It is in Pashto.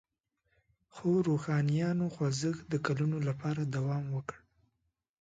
خو روښانیانو خوځښت د کلونو لپاره دوام وکړ.